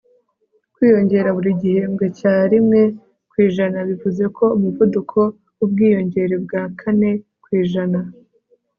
kwiyongera buri gihembwe cya rimwe kw'ijana bivuze ko umuvuduko wubwiyongere bwa kane kw'ijana